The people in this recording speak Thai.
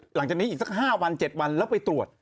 หลังจากนี้อีกสัก๕วัน๗วันแล้วไปตรวจ